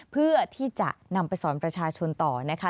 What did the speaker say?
เพื่อที่จะนำไปสอนประชาชนต่อนะคะ